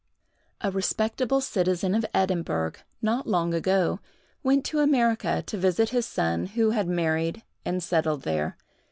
A respectable citizen of Edinburgh, not long ago, went to America to visit his son, who had married and settled there.